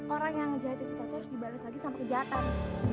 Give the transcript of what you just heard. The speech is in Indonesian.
orang yang ngejahitin kita terus dibalas lagi sama kejahatan